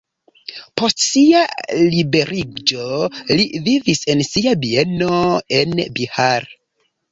Post sia liberiĝo li vivis en sia bieno en Bihar.